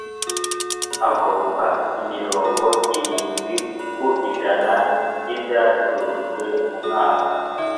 agomba mirongo irindwi ku ijana y ibyacurujwe mu mwaka